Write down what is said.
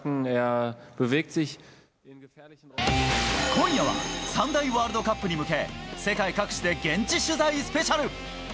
今夜は３大ワールドカップに向け、世界各地で現地取材スペシャル。